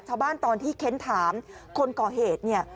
ตอนที่เค้นถามคนก่อเหตุเนี่ย